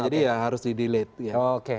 jadi ya harus di delete